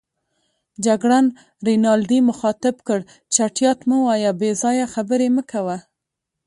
جګړن رینالډي مخاطب کړ: چټیات مه وایه، بې ځایه خبرې مه کوه.